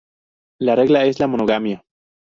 La regla es la monogamia.